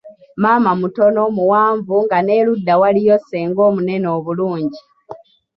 Maama mutono , muwanvu nga n'eruda waliyo senga omunene obulungi.